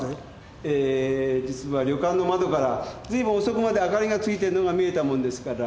えー実は旅館の窓からずいぶん遅くまで明かりがついてるのが見えたもんですから。